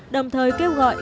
đồng thời kêu gọi